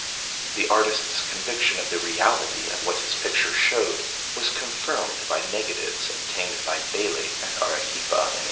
The artist's conviction of the reality of what his picture showed was confirmed by negatives obtained by Bailey at Arequipa in 1897, and by H.